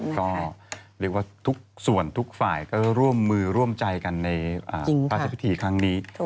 ก็เรียกว่าทุกส่วนทุกฝ่ายก็ร่วมมือร่วมใจกันในพระราชพิธีครั้งนี้